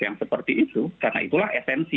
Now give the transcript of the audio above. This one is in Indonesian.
yang seperti itu karena itulah esensi